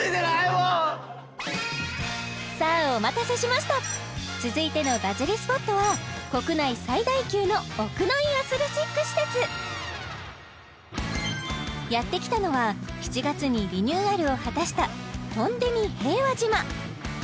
さあお待たせしました続いてのバズりＳＰＯＴは国内最大級の屋内アスレチック施設やって来たのは７月にリニューアルを果たしたトンデミ平和島